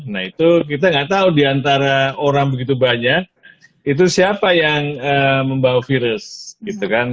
nah itu kita nggak tahu diantara orang begitu banyak itu siapa yang membawa virus gitu kan